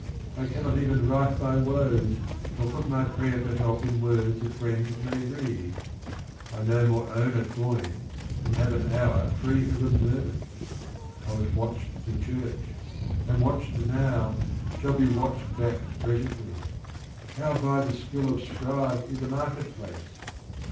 I cannot even write my woes, nor put My prayer for help in words a friend may read, — I no more own a coin than have an hour Free of observance, — I was watched to church, Am watched now, shall be watched back presently, — How buy the skill of scribe i' the market place?